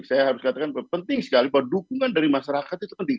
saya harus katakan penting sekali bahwa dukungan dari masyarakat itu penting